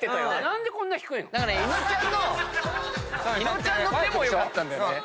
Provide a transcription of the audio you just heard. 伊野尾ちゃんの手も良かったんだよね。